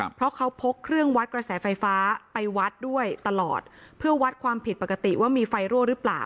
เพราะเขาพกเครื่องวัดกระแสไฟฟ้าไปวัดด้วยตลอดเพื่อวัดความผิดปกติว่ามีไฟรั่วหรือเปล่า